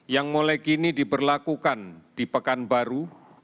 yang mulai kini diberlakukan di pekanbaru